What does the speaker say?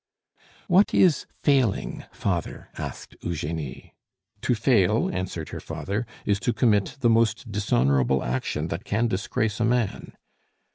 "What is 'failing,' father?" asked Eugenie. "To fail," answered her father, "is to commit the most dishonorable action that can disgrace a man."